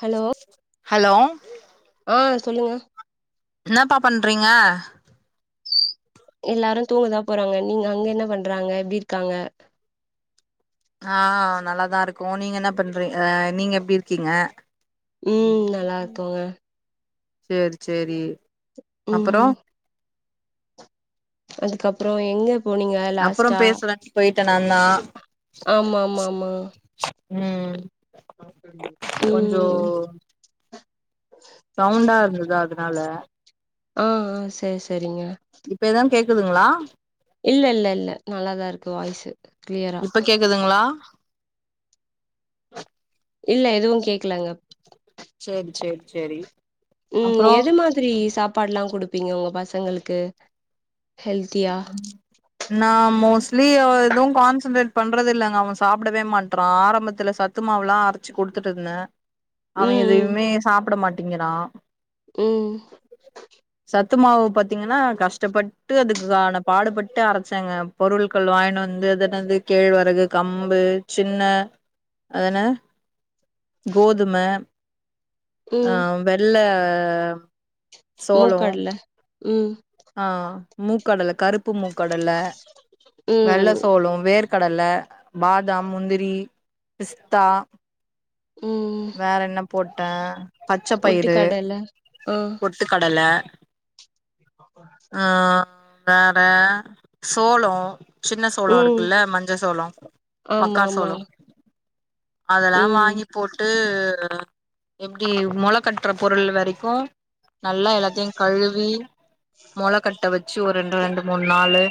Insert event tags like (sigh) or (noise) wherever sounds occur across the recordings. hello hello ஆ சொல்லுங்க என்னப்பா பண்றீங்க எல்லாரு தூங்கதா போறாங்க நீங்க அங்க என்ன பண்றாங்க எப்டி இருக்காங்க ஆ நல்லாதாருக்கோ நீங்க என்ன பண்றீக நீங்க எப்டி இருக்கீங்க ம் நல்லா இருக்கோங்க சேரி சேரி அப்பறோ ம் அதுக்கப்றோ எங்க போனீங்க அப்றோ லாஸ்ட்டா பேசலான் போயிட்டே நாந்தா ஆம் ஆம் ஆமா ம் கொஞ்சோ ம் சவ்ண்டா இருந்துதா அதனால ஆ ஆ செரி செரிங்க இப்ப ஏதாவு கேக்குதுங்களா இல்ல இல்ல இல்ல நல்லாதாருக்கு வாய்சு கிளியரா இப்ப கேக்குதுங்களா இல்ல எதுவு கேக்களங்க சேரி சேரி சேரி ம் அப்புறோ எது மாதிரி சாபாட்லா குடுப்பீங்க ஒங்க பசங்களுக்கு ஹெல்த்தியா ம் நா மோஸ்லி ஆ எதுவு கான்சன்ட்ரேட் பண்றது இல்லங்க அவன் சாப்டவே மாட்டறா ஆரம்பத்துல சத் த்துமாவுலா அரச்சு குடுத்துட்டுருந்த அவன் ம் எதுமே சாப்ட மாட்டிங்கிறா ம் சத்து மாவு பாத்தீங்கன்னா கஷ்டப்பட்டு அதுக் உதான பாடுபட்டு அரச்சங்க பொருள்கள் வாங்கினு வந்து அது என்னது கேழ்வரகு, கம்பு சின்ன அது என்ன கோதும ம் ஆ வெள்ள சோளோ மூக்கடல்ல ம் ஆ மூக்கடல கருப்பு மூக்கடல வெள்ள ம் சோளோ வேர் கடல்ல, பாதாம், முந்திரி, பிஸ்தா ம் வேற என்ன போட்ட பச்ச பயிரு பொட்டுக்கடல ஆ போ ட்டுக் கடல ஆ வேற சோளோ சின்ன சோளோ ம் இருக்குல்ல மஞ்ச சோளோ ஆமா மக்கா ஆமா சோளோ அதலா ம் வாங்கி போட்டு எப்டி மொளக் கட்டுற பொருள் வரைக்கு நல்லா எல்லாத்தயுங் கழுவி மொள கட்ட வச்சு ஒரு ரெண்டு ரெண்டு மூணு நாளு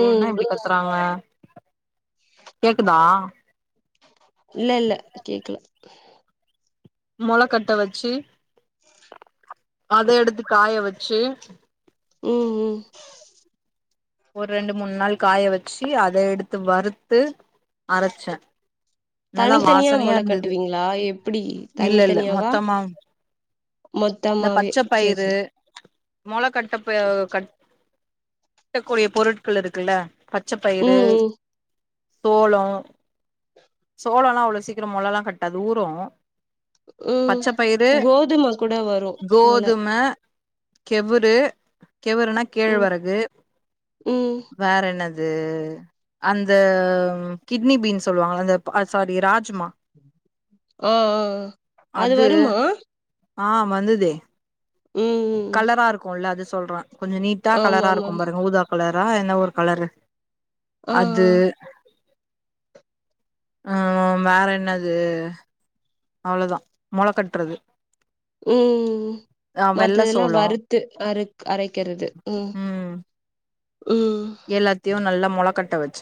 ம் கேக்குதா இல்ல இல்ல கேக்கல மொள கட்ட வச்சு அத எடுத்து காய வெச்சு ம் ம் ஒரு ரெண்டு மூணு நாள் காய வச்சி அத எடுத்து வறுத்து அரச்ச நல்லா தனித்தனியா வாசனயா மொள இருந்தது கட்டுவீங்களா எப்டி இல்ல இல்ல தனித்தனியாவா மொத்தமா இந்த மொத்தமாவே பச்ச சேர் பயிரு சேர் மொள கட்டப ஆ கட் கட்ட கூடிய பொருள்கள் இருக்குல்ல பச்சப்பயிரு ம் ம் சோளோ சோளோல்லா அவ்ளோ சீக்ரோ மொளல்லா கட்டாது ஊரூ ம் பச்சபயிரு, கோதும கூட வரு மொள கோதும கெவுரு கெவருனா ம் கேழ்வரகு ம் வேறன்னது அந்த கிட்னி பீன் சொல்லுவாங்கல அந்த சாரி ராஜ்மா ஆ ஆ ஆ அது வருமா ஆ வந்துதே ம் ம் கலரா இருக்கோல்ல அது சொல்ற கொஞ்சோ நீட்டா கலரா ஆமாமா இருக்கோ பாருங்க ஊதா கலரா என்ன ஒரு கலரு ஆ அது ஆ ஆ வேற என்னது அவ்ளதா மொள கட்றது ம் ஆ வெள்ள மத்ததெல்லாம் சோளோ வறுத்து அறு அரைக்கிறது உம் ம் உம் எல்லாத்தையு நல்ல மொள கட்ட வச்ச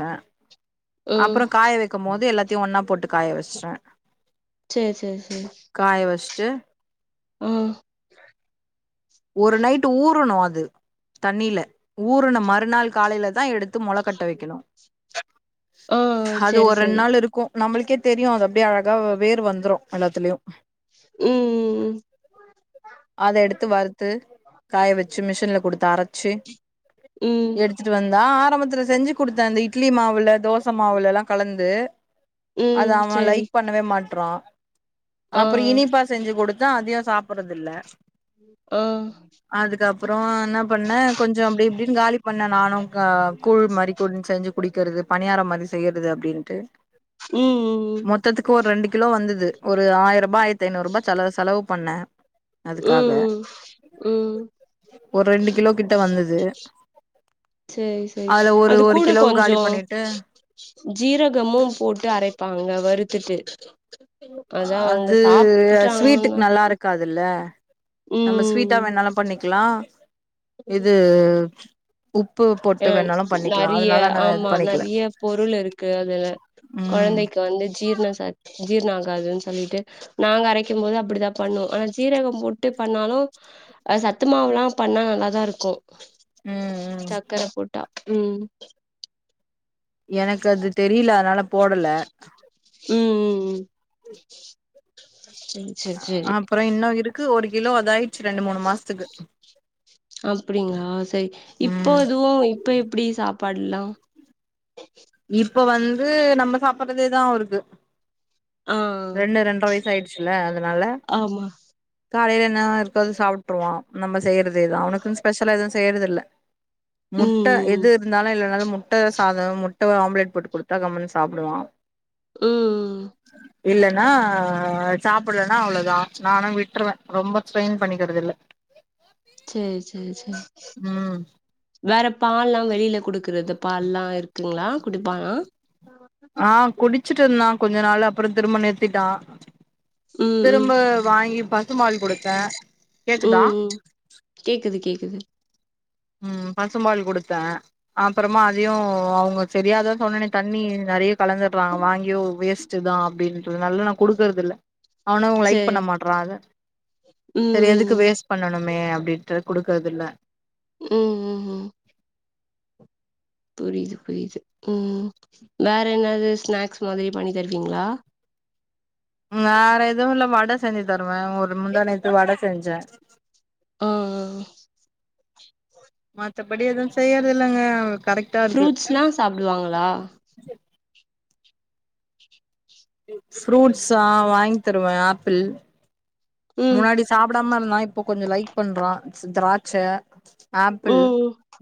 ம் அப்பற காய வ க்கும் போது எல்லாத்தையும் ஒன்னா போட்டு காய வச்ட்டே சேரி சேரி சேரி காய வஷ்ட்டு ஒரு நைட்டு ஊறணு அது தண்ணில ஊறுன மறுநாள் காலைல தா எடுத்து மொள கட்ட வைக்கணு ஆ அது சரி ஒரு ரெண் சரி நாள் இருக்கு நம்மளுக்கே தெரியு அது அப்படியே வேறு வந்துரு எல்லாத்துலயு உம் ம் ம் அத எடுத்து வறுத்து காய வச்சு ம் மிஷின்ல குடுத்து அரைச்சி ம் எடுத்துட்டு வந்தா ஆரம்பத்துல செஞ்சு குடுத்த அந்த இட்லி மாவுல தோசை மாவுல எல்லா கலந்து அத ம் அவ சரி லைக் பண்ணவே மாட்றா ஆ அப்பற இனி ப செஞ்சு குடுத்தா அதையு சாப்படறது இல்ல அ அதுக்கப்பற என்ன பண்ண கொஞ்ச அப்டி இப்டின்னு காலி பண்ணே நானு க கூழ் மாரி கூழ் செஞ்சு குடிக்கிறது பணியார மாரி செய்யறது அப்டின்ட்டு ம் ம் ம் மொத்தத்துக்கு ஒரு ரெண்டு கிலோ வந்தது ஒரு ஆயருபா ஆயிரத்தி ஐநூறுபா செல செலவு பண்ணே அதுக்காக ம் ம் ஒரு ரெண்டு கிலோ கிட்ட வந்தது செரி செரி அதுல ஒரு அது ஒரு கூட கிலோவுக்கு கொஞ்ச காலி பண்ணிட்டு ஜீரகமும் போட்டு அரைப்பாங்க வறுத்துட்டு அதா அவங்க அது சாப்ட்டாங்கன்னா ஸ்வீட்டுக் நல்லா இருக்காதுல்ல நம்ம ஸ்வீட்டா ம் வேணாலு பண்ணிக்கலா இது உப்பு போட்டு ம் வேணாலு பண்ணிக்கலா நெறைய அதனால நா இது ஆமா பண்ணிக்கல நெறைய பொருள் இருக்கு அதுல ம் கொழந்தைக்கு வந்து ஜீர்ண ச ஜீர்ண ஆகாதுன் சொல்லிட்டு நாங்க அரைக்கும் போது அப்படிதா பண்ணு ஆனா ஜீரகம் போட்டு பண்ணாலு அ சத்து மாவுல்லா பண்ணா நல்லாதா இருக்கு ம் ம் ர போட்டா ம் எனக்கு அது தெரில அதனால போடல ம் ம் ம் செரி செரி அப்புற இன்னு இருக்கு ஒரு கிலோ அதாயிருச்சு ரெண்டு மூணு மாசத்துக்கு அப்டிங்ளா சரி இப்ப ம் எதுவு இப்ப எப்டி சாப்பாடெல்லா இப்ப வந்து நம்ம சாப்படறதேதா அவருக்கு ஆ ரெண்டு ரெண்ற வயசு ஆயிருச்சுல்ல அதனால ஆமா காலைல என்னன இருக்கோ அத சாப்ட்ருவோ நம்ம செய்யறதேதா அவுனுக்குன் ஸ்பெஷலா எது செய்யறது இல்ல (inaudible) முட்ட ம் எது இருந்தாலு இல்லைனாலு முட்ட சாதம் முட்ட ஆம்லேட் போட்டு குடுத்தா கம்முன் சாப்புடுவா ம் இல்ல ன்னா சாப்பிடலன்னா அவ்ளதா நானு விட்ருவே ரொம்ப ஸ்ட்ரெயின் பண்ணிக்கிறது இல்ல எ சேர் சேர் சேர் வேற பால்லா வெளில குடுக்கறது பால்லா இருக்குங்ளா குடிப்பானா ஆ குடிச்சிட்ருந்தா கொஞ்ச நாள் அப்புற திரும்ப நிறுத்திட்டா ம் ம் திரும்ப வாங்கி பசுமால் குடுத்தே கேக்குதா ம் ம் கேக்குது கேக்குது ம் பசுமால் குடுத்தே அப்பறமா அதையு அவங்க செரி அதா சொன்னனே தண்ணி நெறைய கலந்தர்றாங்க வாங்கியு வேஸ்ட் தா அப்படின்றதால நா குடுக்குறது இல்ல அவனு லைக் செரி பண்ண மாட்றா அத செரி எதுக்கு ம் ம் வேஸ்ட் பண்ணணுமே அப்டின்ட்டு குடுக்கறதில்ல ம் ம் ம் புரிது புரிது ம் வேற என்னது ஸ்நாக்ஸ் மாதிரி பண்ணி தருவிங்ளா வேற எதுவு இல்ல வட செஞ்சு தருவே ஒரு முந்தாணேத்து வட செஞ்ச ஓ ஓ ஒ மத்தப் படி எதுவும் செய்யறது இல்லங்க அவன் கரெக்ட் ஃப்ரூட்ஸ்லாம் சாப்பிடுவாங்களா ஃப்ரூட்ஸா வாங்கி தருவேன் ஆப்பிள் ம் முன்னாடி சாப்பிடாம இருந்தான் இப்ப கொஞ்சோம் லைக் பண்றான் திராட்சை ஆப்பிள் ம்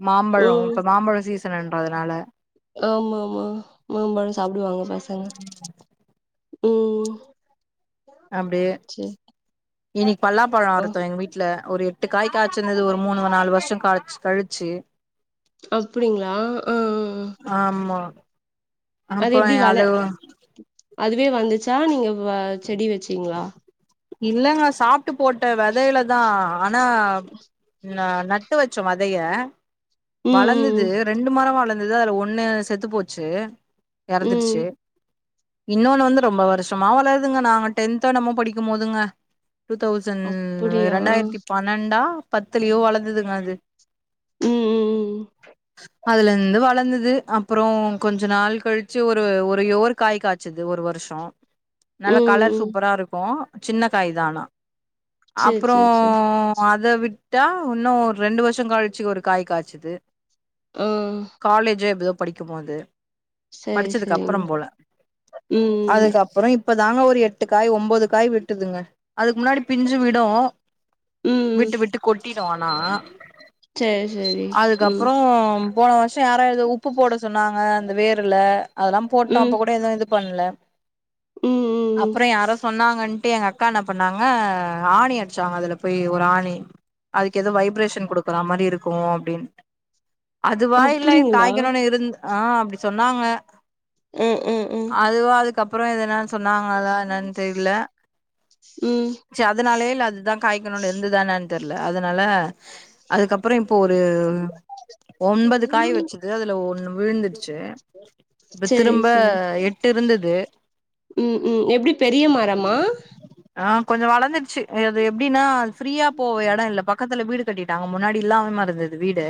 மாம்பழம் ம் இப்ப மாம்பழம் சீசன்றதுனால ஆமா ஆமா மாம்பழம் சாப்பிடுவாங்க பசங்க ம் அப்படியே செரி இன்னிக்கு பலாப்பழம் அருத்தோம் எங்க வீட்டுல ஒரு எட்டு காய் காய்ச்சிருந்தது ஒரு மூணு நாலு வருஷம் கழிச்சு கழிச்சு அப்படிங்களா அ ஹ ஆமா அது எப்படி வள அதுவே வந்துச்சா நீங்க செடி வெச்சீங்களா இல்லங்க சாப்ட்டு போட்ட விதையில தான் ஆனா நட்டு வச்சோம் விதைய ம் வளர்ந்தது ம் ரெண்டு மரம் வளர்ந்து அதுல ஒண்ணு செத்து போச்சு ம் ம் இறந்துடுச்சு இன்னொன்னு வந்து ரொம்ப வருஷமா வளருதுங்க நாங்க டென்தோ என்னம்மோ படிக்கும் போதுங்க டூ தௌசண்ட் அப்டியா இரண்டாயிரத்தி பன்னெண்டா பத்துலயோ வளர்ந்ததுங்க அது ம் ம் ம் அதுலருந்து வளர்ந்தது அப்புறம் கொஞ்ச நாள் கழிச்சு ஒரு ஒரு யோர் காய் காய்ச வச்சது ஒரு வருஷம் நல்ல ம் கலர் ம் சூப்பரா இருக்கும் சின்ன காய் தான் ஆனா சேரி அப்புறம் சேரி சேரி அத விட் டா இன்னும் ஒரு ரெண்டு வருஷம் கழிச்சு ஒரு காய் காய்ச்சது அஹ காலேஜோ ஏதோ படிக்கும் போது சேரி படிச்சதுக்கு சேரிங்க அப்புறம் போல ம் ம் அதுக்கப்புறம் இப்ப தாங்க ஒரு எட்டு காய் ஒன்பது காய் விட்டுதுங்க அதுக்கு முன்னாடி பிஞ்சு விடும் ம் ம் விட்டு விட்டு கொட்டிடும் ஆனா சேரி சேரி ம் அதுக்கப்புறம் போன வருசோம் யாரோ எதோ உப்பு போட சொன்னாங்க அந்த வேருல அதெல்லாம் போட்டோம் அப்போ ம் கூட எதுவும் இது பண்ணல ம் ம் ம் அப்புறம் யாரோ சொன்னாங்கன்ட்டு எங்க அக்கா என்ன பண்ணாங்க ஆணி அடிச்சாங்க அதுல போய் ஒரு ஆணி அதுக்கு எது வைப்ரேஷன் கொடுக்குமா வர மாதிரி இருக்கும் அப்படின்டு அதுவா இல்ல இ அப்டிங்களா காய்க்கணும்னு இருந்து ஆ அப்படி சொன்னாங்க அ அ அ அதுவா அதுக்கப்புறம் என்ன சொன்னாங்களா என்னன்னு தெரியல ம் சேர் அதனாலே இல்ல அதுதா காய்க்கணும்னு இருந்ததானேு தெரியல அதனால அதுக்கப்புறம் இப்போ ஒரு ஒன்பது காய் ம் வச்சது அதுல ஒண்ணு விழுந்துடுச்சு இப்ப சேரி திரும்ப சேரி எட்டு இருந்தது ம் ம் எப்படி பெரிய மரமா ஆஹ் கொஞ்சம் வளந்துடுச்சு அது எப்படின்னா ஃப்ரீயா போவ இடம் இல்ல பக்கத்துல வீடு கட்டிட்டாங்க முன்னாடி இல்லாமமா இருந்தது வீடு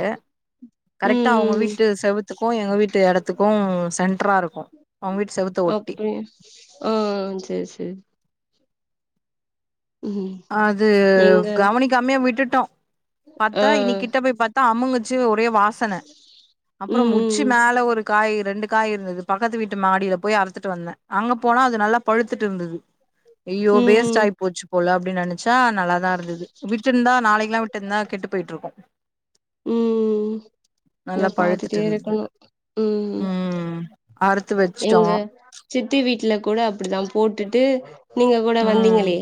ம் கரெக்டா அவங்க ம் வீட்டு செவத்துக்கும் எங்க வீட்டு இடத்துக்கும் சென்டரா இருக்கும் அவங்க வீட்டு செவுத்த ஒட்டி ஹம் செரி செரி ம் அது எங்க கவனிக் காமே விட்டுட்டோ ஆ பாத்தா இனி கிட்ட போய் பாத்தா அம்முங்குச்சி ஒரே வாசன அப்றொ ம் உச்சி ம் மேல ஒரு காய் ரெண்டு காய் இருந்தது பக்கத்து வீட்டு மாடீல போய் அறுத்துட்டு வந்த அங்க போனா அது நல்லா பழுத்துட்ருந்தது ஐயோ ம் ம் வேஸ்ட்டாய் போச்சு போல அப்டின் நெனச்சா நல்லாதா இருந்துது விட்டுர்ந்தா நாளக்கிலா விட் டுர்ந்தா கெட்டுப் போய்ட்ருக்கு ம் நல்லா நா பழுத்துட்டு பாத்துட்டே இருந்துது இருக்கணு ம் அறுத்து வச்சுட்டோ எங்க சித்தி வீட்ல கூட அப்டிதா போட்டுட்டு நீங்க கூட ம் வந்தீங்களே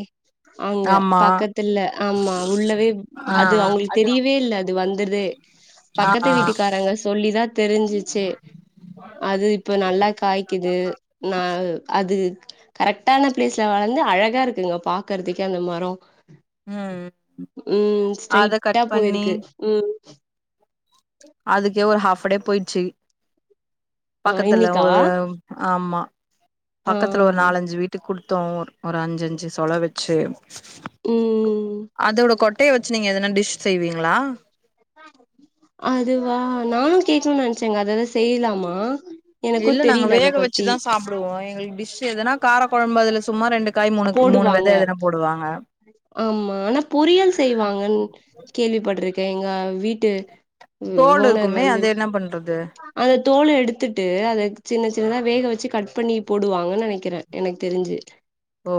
அங்க ஆமா பக்கத்துல ஆமா உள்ளவே ஆ அது அவ்ங்களுக்கு அது தெரியவே இல்ல அது வந்தர்தே ஆ பக்கத்து ஆ வீட்டுக்காரங்க சொல்லிதா தெரிஞ்சிச்சே அது இப்ப நல்லா காய்க்கிது நா அது கரெக்ட்டான ப்ளேஸ்ல வளந்து அழகா இருக்குங்க பாக்குறதுக்கே அந்த மரொ ம் ம் அத ஸ்ட்ரைட்டா கட் பண்ணி போய்ருக்கு ம் அதுக்கே ஒரு ஹாஃப் டே போய்ட்ச்சு ஆ பக்கத்துல இன்னிக்கா ஒரு ஆமா ஆ பக்கத்துல ஒரு நாலஞ்சு வீட்டுக் கொடுத்த ஒர் ஒரு அஞ்சஞ்சு சொல வச்சு ம் அதோட கொட்டைய வச்சு நீங்க எதனா டிஷ் செய்வீங்ளா அதுவா நானு கேட்கணூன் நெனச்சேங்க அதது செய்லாமா இல்ல நாங்க வேக வச்சுதா சாப் ப்டுவோ எங்களுக்கு டிஷ் எதனா கார கொழம்பு அதுல சும்மா ரெண்டு காய் மூணு மூணு போடுவாங்க வெத எதனா போடுவாங்க ஆமா ஆனா பொறியல் செய்வாங்கன் கேள்விப்பட்ருக்கே எங்க வீட்டு தோல் ஓனர் இருக்குமே வந்து அத என்ன பண்றது அந்த தோல எடுத்துட்டு அத சின்ன சின்னதா வேக வச்சு கட் பண்ணி போடுவாங்கன் நெனக்கிற எனக் தெரிஞ்சி ஓ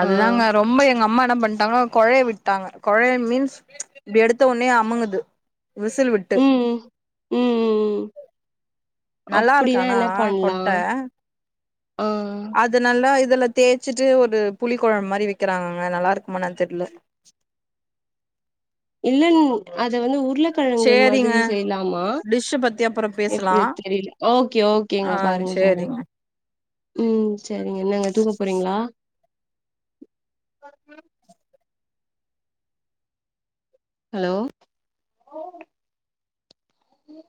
அதுதாங்க ரொம்ப எங்க அம்மா என்ன பண்ட்டாங்னா கொழய விட் ட்டாங்க கொழைய மீன்ஸ் இப்டி எடுத்த ஒன்னே அமுங்குது விசில் வி ட்டு ம் ம் ம் நல்லா இருக்கு அப்டின்னா ஆனா என்ன பண்லா கொட்ட ஆ அது நல்லா இதுல தேச்சிட்டு ஒரு புளி கொழம் மாரி வெக்கிறாங்கங்க நல்லா இருக்குமா என்னான் தெர்ல இல்லன் அத வந்து உர்ள கழங்கு சேரிங்க மாதிரி செய்லாமா டிஷ்ஷ பத்தி அப்புறோ பேசலா எப்டி தெரிய்ல ஓகே ஓ கேங்க ஆ பாருங்க பாருங் சேரிங்க ம் சேரிங்க என்னங்க தூங்க போறீங்ளா அம் ஹலோ ம்